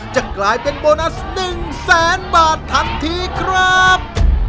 จะกลายเป็นโบนัส๑แสนบาททันทีครับ